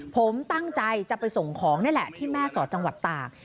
ผมตั้งใจจะไปส่งของนี่แหละที่แม่สอดจังหวัดตาก